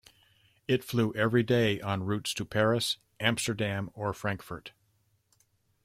It flew every day on routes to Paris, Amsterdam or Frankfurt.